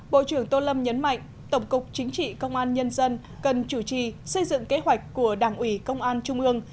bộ trưởng tô lâm nhấn mạnh tổng cục chính trị công an nhân dân cần chủ trì xây dựng kế hoạch của đảng ủy công an trung ương